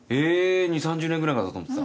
２０３０年ぐらいかと思ってた。